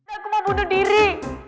aku mau bunuh diri